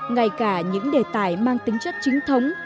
ngay cả những đề tài mang tính chất chính thống